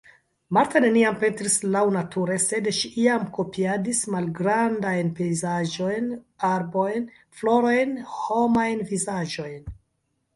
Marta neniam pentris laŭnature, sed ŝi iam kopiadis malgrandajn pejzaĝojn, arbojn, florojn, homajn vizaĝojn.